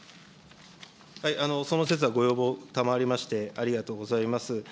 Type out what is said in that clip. その説はご要望賜りまして、ありがとうございます。